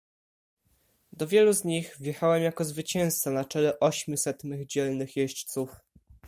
"Do wielu z nich wjechałem jako zwycięzca na czele ośmiuset mych dzielnych jeźdźców."